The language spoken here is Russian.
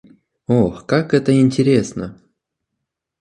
Ох, как это интересно!